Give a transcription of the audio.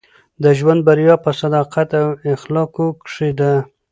د ژوند بریا په صداقت او اخلاقو کښي ده.